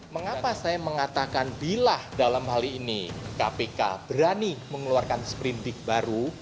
mengapa saya mengatakan bila dalam hal ini kpk berani mengeluarkan sprindik baru